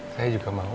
saya juga mau